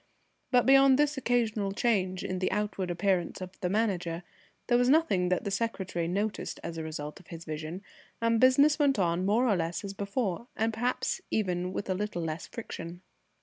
But, beyond this occasional change in the outward appearance of the Manager, there was nothing that the secretary noticed as the result of his vision, and business went on more or less as before, and perhaps even with a little less friction.